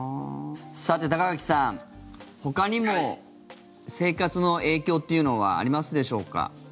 さて、高垣さんほかにも生活の影響というのはありますでしょうか。